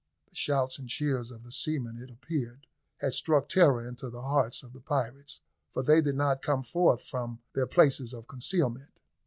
The shouts and cheers of the seamen, it appeared, had struck terror into the hearts of the pirates, for they did not come forth from their places of concealment.